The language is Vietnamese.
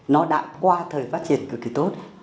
nó đã qua thời phát triển cực kỳ tốt